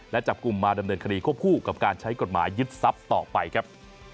และจับกลุ่มมาดำเนินคดีควบคู่กับการใช้กฎหมายยึดทรัพย์ต่อไปครับ